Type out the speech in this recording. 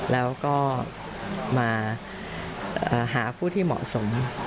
แล้วก็มาหาผู้ที่เหมาะสม